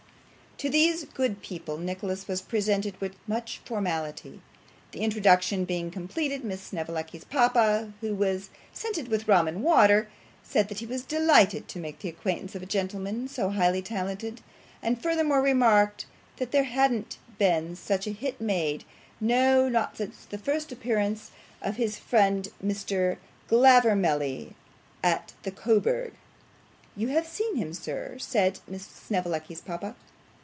To these good people Nicholas was presented with much formality. The introduction being completed, Miss Snevellicci's papa (who was scented with rum and water) said that he was delighted to make the acquaintance of a gentleman so highly talented; and furthermore remarked, that there hadn't been such a hit made no, not since the first appearance of his friend Mr. Glavormelly, at the Coburg. 'You have seen him, sir?' said Miss Snevellicci's papa.